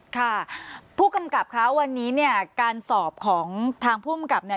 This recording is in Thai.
ค่ะผู้กำกับคะวันนี้เนี่ยการสอบของทางภูมิกับเนี่ย